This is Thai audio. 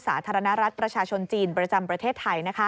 สาธารณรัฐประชาชนจีนประจำประเทศไทย